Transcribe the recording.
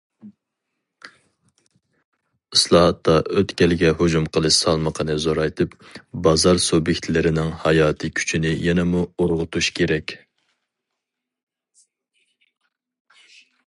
ئىسلاھاتتا ئۆتكەلگە ھۇجۇم قىلىش سالمىقىنى زورايتىپ، بازار سۇبيېكتلىرىنىڭ ھاياتىي كۈچىنى يەنىمۇ ئۇرغۇتۇش كېرەك.